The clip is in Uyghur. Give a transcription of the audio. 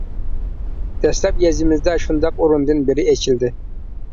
دەسلەپ يېزىمىزدا شۇنداق ئورۇندىن بىرى ئېچىلدى.